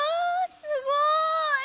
すごい！